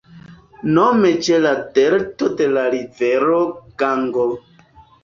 Nome ĉe la delto de la rivero Gango.